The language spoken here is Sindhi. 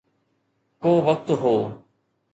ڪو وقت هو